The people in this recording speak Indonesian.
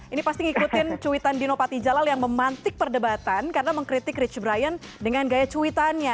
ini pasti ngikutin cuitan dino patijalal yang memantik perdebatan karena mengkritik rich brian dengan gaya cuitannya